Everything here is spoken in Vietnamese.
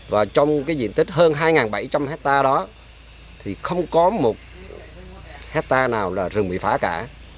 và trong cái diện tích hơn hai bảy trăm linh hectare đó thì không có một hectare nào là rừng bị phá cả